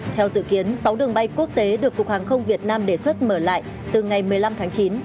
theo dự kiến sáu đường bay quốc tế được cục hàng không việt nam đề xuất mở lại từ ngày một mươi năm tháng chín